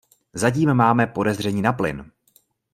Zatím máme podezření na plyn.